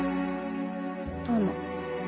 どうも。